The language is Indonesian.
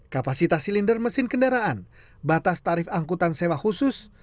kapasitas silinder mesin kendaraan batas tarif angkutan sewa khusus